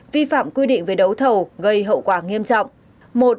vi phạm quy định về đấu thầu gây hậu quả nghiêm trọng